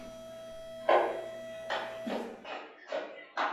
როდესაც ავტომობილი ოთხივე თვალით იწყებს სრიალს შუა მოსახვევში.